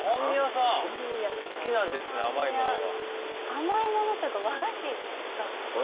甘いものというか。